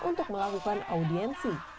untuk mencari penolakan